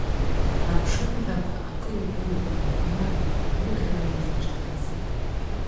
Амшынҳәақәа акы еибырҳәон, хәмарран, гәырӷьаран изҿӡаз.